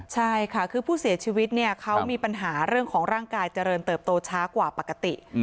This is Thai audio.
ใช่ค่ะคือผู้เสียชีวิตเนี่ยเขามีปัญหาเรื่องของร่างกายเจริญเติบโตช้ากว่าปกติ